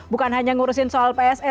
bukan hanya ngurusin soal pse